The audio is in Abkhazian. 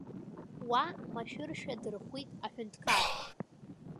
Уа машәыршәа дырхәит аҳәынҭқар.